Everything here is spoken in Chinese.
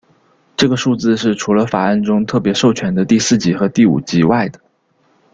这个数字是除了法案中特别授权的第四级和第五级外的。